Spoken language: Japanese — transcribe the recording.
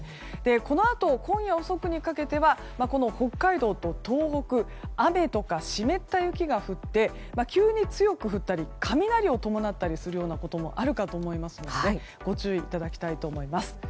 このあと今夜遅くにかけては北海道と東北雨とか湿った雪が降って急に強く降ったり雷を伴ったりするようなこともあるかと思いますのでご注意いただきたいと思います。